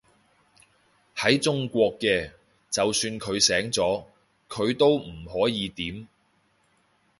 喺中國嘅，就算佢醒咗，佢都唔可以點